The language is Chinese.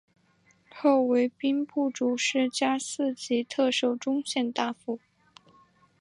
后为兵部主事加四级特授中宪大夫。